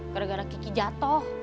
gara gara kiki jatoh